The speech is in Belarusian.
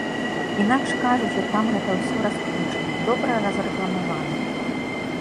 Інакш кажучы, там гэта ўсё раскручана, добра разрэкламавана.